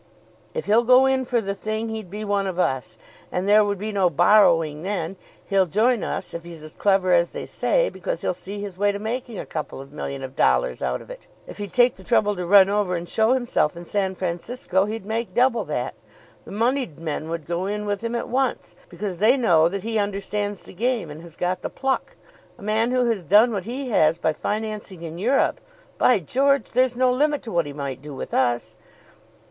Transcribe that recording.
"If he'll go in for the thing he'd be one of us, and there would be no borrowing then. He'll join us if he's as clever as they say, because he'll see his way to making a couple of million of dollars out of it. If he'd take the trouble to run over and show himself in San Francisco, he'd make double that. The moneyed men would go in with him at once, because they know that he understands the game and has got the pluck. A man who has done what he has by financing in Europe, by George! there's no limit to what he might do with us.